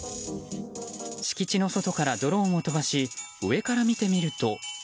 敷地の外からドローンを飛ばし上から見てみると。